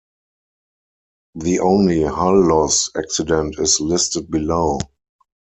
The only hull-loss accident is listed below.